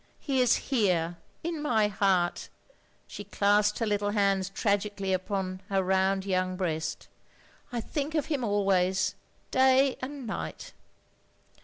He is here — ^in my heart, " she clasped her little hands tragically upon her round yotmg breast. " I think of him always, day and night."